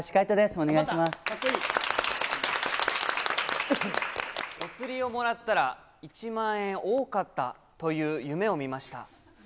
お釣りをもらったら、１万円多かったという夢をみました。